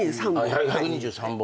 １２３本。